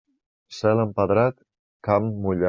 Cel empedrat, camp mullat.